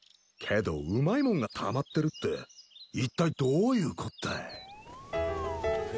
けどうまいもんがたまってるって一体どういうこったい。